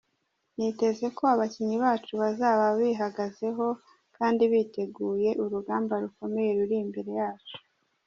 Niteze ko abakinnyi bacu bazaba bihagazeho kandi biteguye urugamba rukomeye ruri imbere yacu.